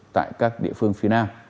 tại các địa phương phía nam